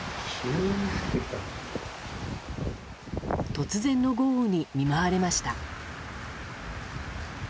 突然の豪雨に見舞われました。